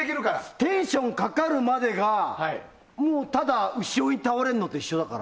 テンションかかるまでがただ後ろに倒れるのと一緒だから。